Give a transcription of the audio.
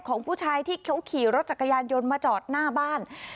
ของผู้ชายที่เขาขี่รถจักรยานยนต์มาจอดหน้าบ้าน